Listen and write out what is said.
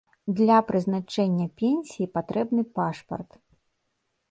Для прызначэння пенсіі патрэбны пашпарт.